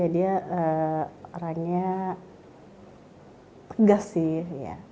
dia orangnya tegas sih